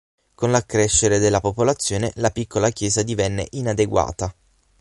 Con l'accrescere della popolazione, la piccola chiesa divenne inadeguata.